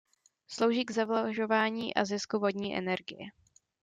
Slouží k zavlažování a zisku vodní energie.